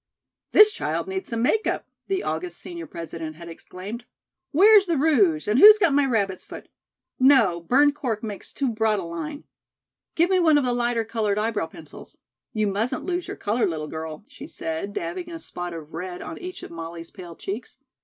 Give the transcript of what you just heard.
"This child needs some make up," the august senior president had exclaimed. "Where's the rouge and who's got my rabbit's foot? No, burned cork makes too broad a line. Give me one of the lighter colored eyebrow pencils. You mustn't lose your color, little girl," she said, dabbing a spot of red on each of Molly's pale cheeks.